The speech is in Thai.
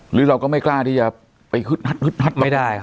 หรือเราก็ไม่กล้าที่จะไปหึดหัด